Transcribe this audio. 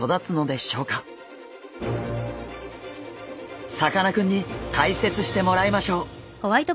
一体さかなクンに解説してもらいましょう。